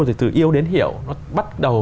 thì từ yêu đến hiểu nó bắt đầu